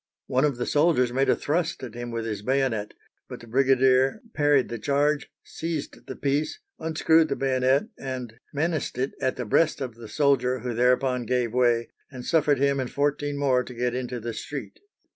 One of the soldiers made a thrust at him with his bayonet; but the brigadier parried the charge, seized the piece, unscrewed the bayonet, and "menaced it at the breast of the soldier, who thereupon gave way and suffered him and fourteen more to get into the street."